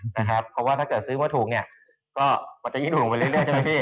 เพราะว่าถ้าเกิดซื้อมาถูกเนี่ยก็มันจะยิ่งลงไปเรื่อยใช่ไหมพี่